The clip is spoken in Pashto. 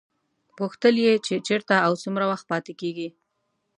پوښتل یې چې چېرته او څومره وخت پاتې کېږي.